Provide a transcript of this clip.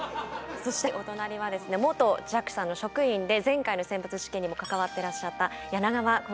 そしてお隣はですね元ＪＡＸＡの職員で前回の選抜試験にも関わってらっしゃった柳川孝二さんです。